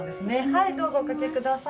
はいどうぞお掛けください。